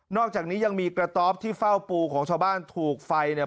อกจากนี้ยังมีกระต๊อบที่เฝ้าปูของชาวบ้านถูกไฟเนี่ย